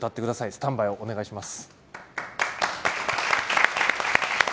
スタンバイをお願いします。